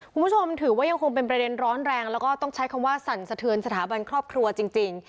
คุณผู้ชมถือว่ายังคงเป็นประเด็นร้อนแรงแล้วก็ต้องใช้คำว่าสั่นสะเทือนสถาบันครอบครัวจริง